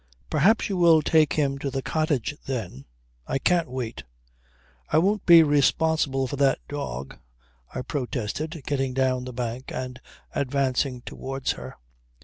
"Perhaps you will take him to the cottage then. I can't wait." "I won't be responsible for that dog," I protested getting down the bank and advancing towards her.